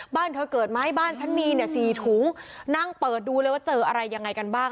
บ้านเธอเกิดไหมบ้านฉันมีเนี่ยสี่ถุงนั่งเปิดดูเลยว่าเจออะไรยังไงกันบ้าง